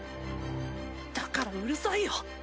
だからうるさいよ！